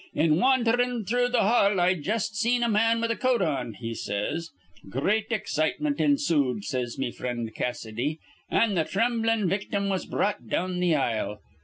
'In wandhrin' through th' hall, I just seen a man with a coat on,' he says. Great excitement ensood, says me frind Cassidy; an' th' thremblin' victim was brought down th' aisle.